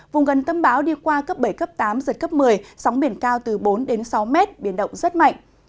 vùng gần tâm báo đi qua cấp bảy cấp tám giật cấp một mươi sóng biển cao từ bốn sáu mét biển động rất mạnh